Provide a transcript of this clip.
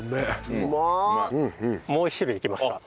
もう一種類いきますか？